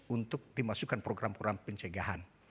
untuk dimasukkan program program pencegahan